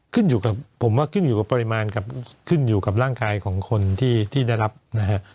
ขึ้นอยู่กับผมว่าขึ้นอยู่กับปริมาณกับขึ้นอยู่กับร่างกายของคนที่ได้รับนะฮะ